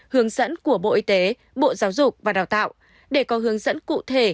hướng dẫn của bộ y tế bộ giáo dục và đào tạo để có hướng dẫn cụ thể